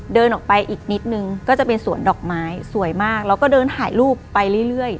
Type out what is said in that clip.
เดินออกไปอีกนิดนึงก็จะเป็นสวนดอกไม้สวยมากแล้วก็เดินถ่ายรูปไปเรื่อย